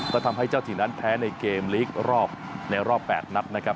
ก็ทำให้เจ้าถิ่นนั้นแพ้ในเกมลีกรอบในรอบ๘นัดนะครับ